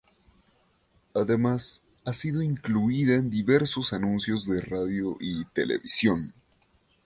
Además, ha sido incluida en diversos anuncios de radio y televisión.